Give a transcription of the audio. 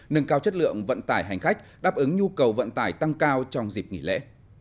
nâng cao chất lượng vận tải hành khách đáp ứng nhu cầu vận tải tăng cao trong dịp nghỉ lễ